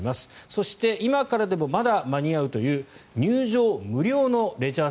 そして今からでもまだ間に合うという入場無料のレジャー